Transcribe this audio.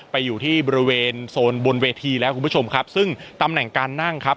อยู่ที่บริเวณโซนบนเวทีแล้วคุณผู้ชมครับซึ่งตำแหน่งการนั่งครับ